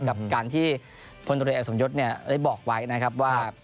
กับการที่พนธุรกิจแอสมยศเนี่ยได้บอกไว้นะครับว่า